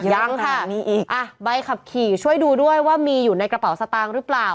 ยังค่ะใบขับขี่ช่วยดูด้วยว่ามีอยู่ในกระเป๋าสตางค์หรือเปล่า